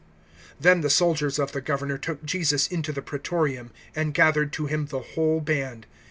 (27)Then the soldiers of the governor took Jesus into the Pretorium, and gathered to him the whole band.